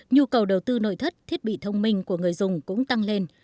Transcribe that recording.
nhu cầu đầu tư nội thất thiết bị thông minh của người dùng cũng tăng lên